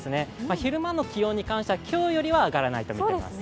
昼間の気温に関してはて今日よりは上がらないとみています。